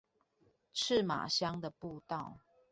赤馬鄉的步道